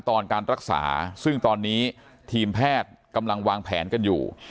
ตอนการรักษาซึ่งตอนนี้ทีมแพทย์กำลังวางแผนกันอยู่